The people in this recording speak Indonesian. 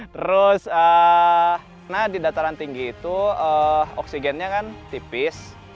terus karena di dataran tinggi itu oksigennya kan tipis